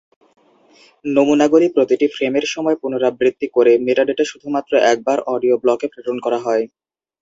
নমুনাগুলি প্রতিটি ফ্রেমের সময় পুনরাবৃত্তি করে, মেটাডাটা শুধুমাত্র একবার অডিও ব্লকে প্রেরণ করা হয়।